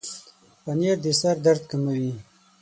پنېر د سر درد کموي.